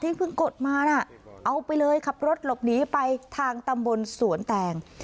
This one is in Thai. เพิ่งกดมาน่ะเอาไปเลยขับรถหลบหนีไปทางตำบลสวนแตง